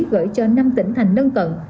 gửi cho năm tỉnh thành nâng cận